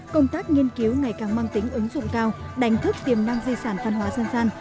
công tác nghiên cứu ngày càng mang tính ứng dụng cao đánh thức tiềm năng di sản văn hóa dân gian